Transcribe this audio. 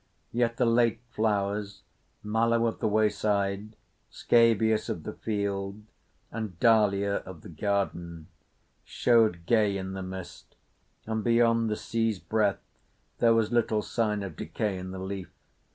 Yet the late flowers—mallow of the wayside, scabious of the field, and dahlia of the garden—showed gay in the mist, and beyond the sea's breath there was little sign of decay in the leaf.